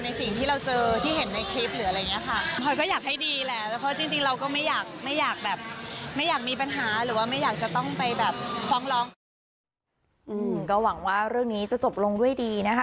ในสิ่งที่เราเจอที่เห็นในคลิปหรืออะไรอย่างนี้ค่ะ